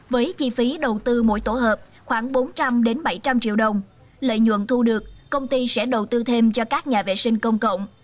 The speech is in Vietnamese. với chi phí đầu tư mỗi tổ hợp khoảng bốn trăm linh bảy trăm linh triệu đồng lợi nhuận thu được công ty sẽ đầu tư thêm cho các nhà vệ sinh công cộng